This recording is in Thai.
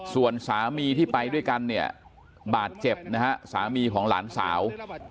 ส่วนสามีที่ไปด้วยกันเนี่ยบาดเจ็บนะฮะสามีของหลานสาว